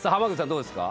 どうですか？